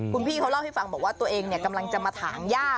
คุณพี่เขาเล่าให้ฟังบอกว่าตัวเองกำลังจะมาถางย่า